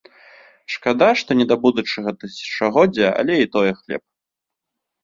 Шкада, што не да будучага тысячагоддзя, але і тое хлеб.